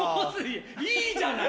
いいじゃない！